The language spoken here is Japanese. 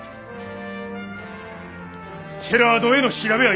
シェラードへの調べはやめじゃ。